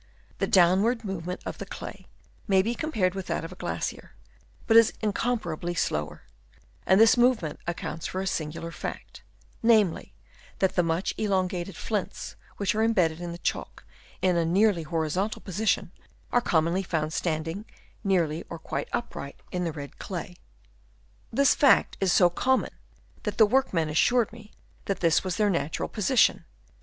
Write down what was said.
The downward movement of the clay may be com pared w ith that of a glacier, but is incomparably slower ; and this movement accounts for a singular fact, namely, that the much elongated flints which are embedded in the chalk in a nearly horizontal position, are commonly found standing nearly or quite upright in the red clay. This fact is so common that the work men assured me that this was their natural position.